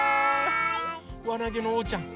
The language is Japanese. わなげのおうちゃん！